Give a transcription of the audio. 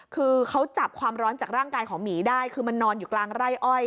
คือเขาจับความร้อนจากร่างกายของหมีได้คือมันนอนอยู่กลางไร่อ้อย